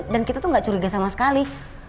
dan kita tuh gak curiga sama sekali